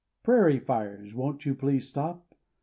Prairie fires, won't you please stop?